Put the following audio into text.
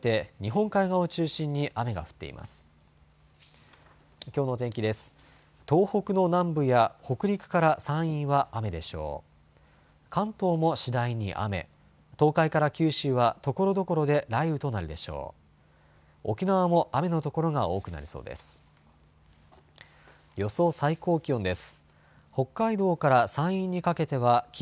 沖縄も雨の所が多くなりそうです。